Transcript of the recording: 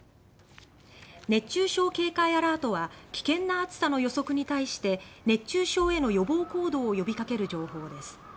熱中症警戒アラートは危険な暑さの予測に対して熱中症への予防行動を呼びかける情報です。